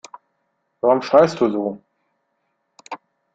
Warum schreist du so?